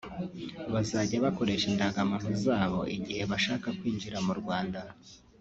bazajya bakoresha indangamuntu zabo igihe bashaka kwinjira mu Rwanda